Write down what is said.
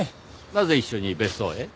なぜ一緒に別荘へ？